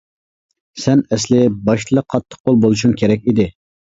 سەن ئەسلى باشتىلا قاتتىق قول بولۇشۇڭ كېرەك ئىدى.